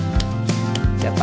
lontong akan bertukar